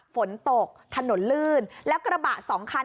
ฝนตกถนนลื่นแล้วกระบะสองคัน